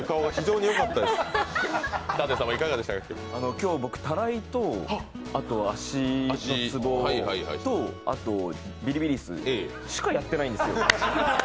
今日、僕、たらいと足つぼとあとビリビリ椅子しかやってないんですよ。